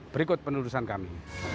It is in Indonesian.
berikut penurusan kami